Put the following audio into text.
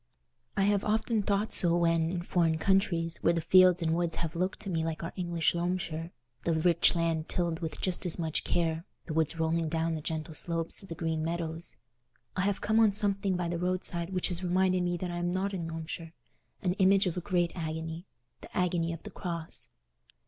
I have often thought so when, in foreign countries, where the fields and woods have looked to me like our English Loamshire—the rich land tilled with just as much care, the woods rolling down the gentle slopes to the green meadows—I have come on something by the roadside which has reminded me that I am not in Loamshire: an image of a great agony—the agony of the Cross.